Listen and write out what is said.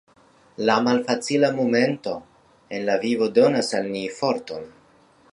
La malfacila momento en la vivo donas al ni forton.